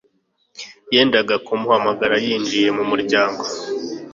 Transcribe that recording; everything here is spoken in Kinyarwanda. Yendaga kumuhamagara yinjiye mu muryango